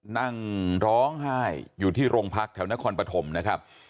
นั่งร้องไห้อยู่ที่โรงพักแถวนครปฐมนะครับ